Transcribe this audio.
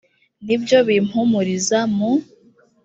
ni byo bimpumuriza mu